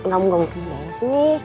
gak mau gak mau kesini